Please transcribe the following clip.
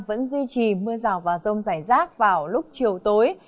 vẫn duy trì mưa rào và rông rải rác vào lúc chiều tối